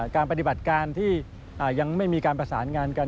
ปฏิบัติการที่ยังไม่มีการประสานงานกัน